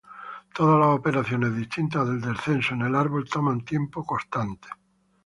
Todas las operaciones distintas del descenso en el árbol toman tiempo constante.